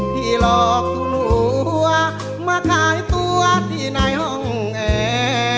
ที่หลอกทุกหัวมาขายตัวที่ในห้องแอร์